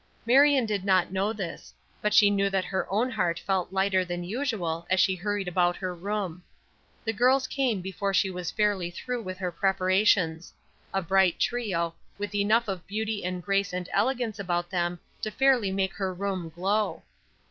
Marion did not know this, but she knew that her own heart felt lighter than usual as she hurried about her room. The girls came before she was fairly through with her preparations a bright trio, with enough of beauty and grace and elegance about them to fairly make her room glow.